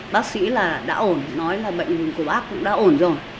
bác sĩ là đã ổn nói là bệnh của bác cũng đã ổn rồi